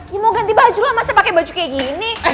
ya mau ganti baju lah masa pakai baju kayak gini